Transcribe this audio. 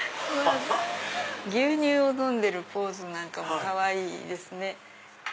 牛乳を飲んでるポーズなんかもかわいいですね。